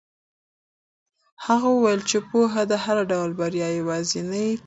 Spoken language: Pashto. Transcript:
هغه وویل چې پوهه د هر ډول بریا یوازینۍ کیلي ده.